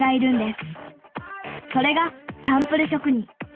それがサンプル職人。